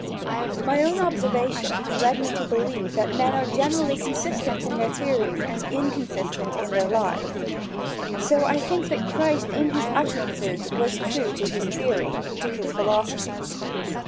My own observation has led me to believe that men are generally consistent in their theories and inconsistent in their lives. So, I think that Christ in his utterances was true to his theory, to his philosophy.